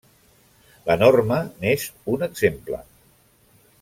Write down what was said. La norma n'és un exemple.